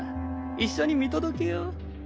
一緒に見届けよう。